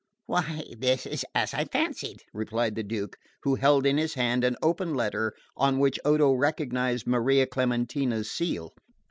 "Why, this is as I fancied," replied the Duke, who held in his hand an open letter on which Odo recognised Maria Clementina's seal.